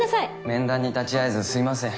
面談に立ち会えずすいません。